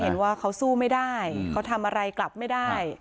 เห็นว่าเขาสู้ไม่ได้เขาทำอะไรกลับไม่ได้